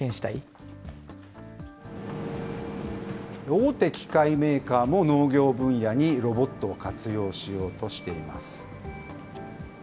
大手機械メーカーも農業分野にロボットを活用しようとしています。